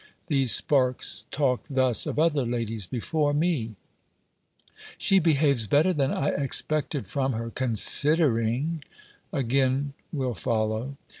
(These sparks talked thus of other ladies before me.) "She behaves better than I expected from her considering " again will follow.